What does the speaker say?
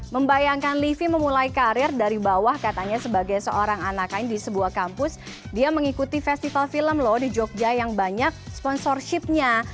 membayangkan livi memulai karir dari bawah katanya sebagai seorang anak lain di sebuah kampus dia mengikuti festival film loh di jogja yang banyak sponsorshipnya